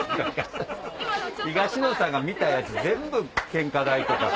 東野さんが見たいやつ全部献花台とか。